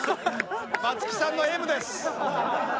松木さんのＭです。